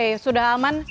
itu sudah aman